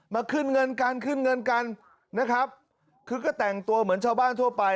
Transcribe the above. ขึ้นเงินกันขึ้นเงินกันนะครับคือก็แต่งตัวเหมือนชาวบ้านทั่วไป